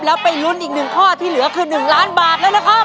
แล้วไปลุ้นอีก๑ข้อที่เหลือคือ๑ล้านบาทแล้วนะครับ